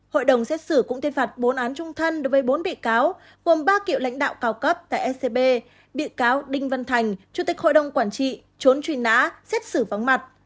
hội đồng xét xử cũng tuyên phạt bốn án trung thân đối với bốn bị cáo gồm ba cựu lãnh đạo cao cấp tại scb bị cáo đinh văn thành chủ tịch hội đồng quản trị trốn truy nã xét xử vắng mặt